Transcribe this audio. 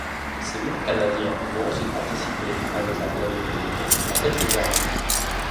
Ces mêmes Canadiens vont ensuite participer, avec la blindée polonaise, à cette libération.